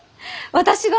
私が？